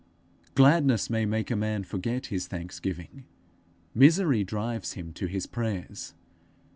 Gladness may make a man forget his thanksgiving; misery drives him to his prayers.